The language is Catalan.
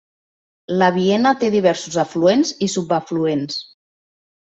La Viena té diversos afluents i subafluents.